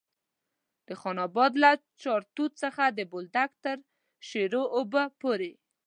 د خان اباد له چارتوت څخه د بولدک تر شیرو اوبو پورې.